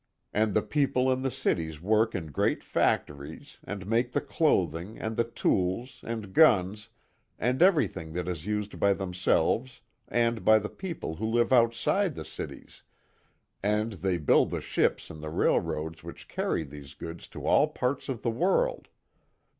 And the people in the cities work in great factories, and make the clothing, and the tools, and guns, and everything that is used by themselves and by the people who live outside the cities, and they build the ships and the railroads which carry these goods to all parts of the world.